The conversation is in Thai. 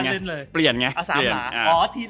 เอาเปลี่ยนไงเอาสามหลา